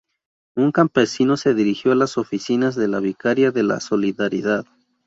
Un campesino se dirigió a las oficinas de la Vicaría de la Solidaridad.